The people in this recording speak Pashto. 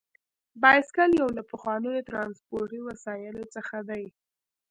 بایسکل یو له پخوانیو ترانسپورتي وسایلو څخه دی.